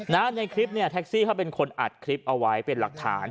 ในคลิปเนี่ยแท็กซี่เขาเป็นคนอัดคลิปเอาไว้เป็นหลักฐาน